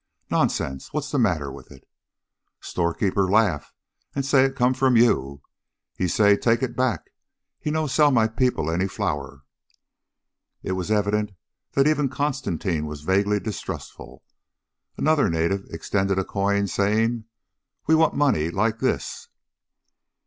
"Nonsense! What's the matter with it?" "Storekeeper laugh and say it come from you. He say, take it back. He no sell my people any flour." It was evident that even Constantine was vaguely distrustful. Another native extended a coin, saying; "We want money like this."